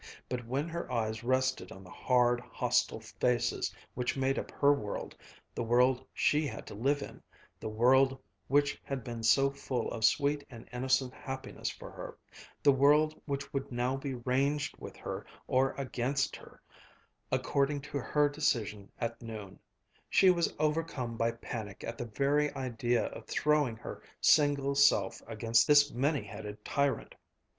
But when her eyes rested on the hard, hostile faces which made up her world, the world she had to live in, the world which had been so full of sweet and innocent happiness for her, the world which would now be ranged with her or against her according to her decision at noon, she was overcome by a panic at the very idea of throwing her single self against this many headed tyrant.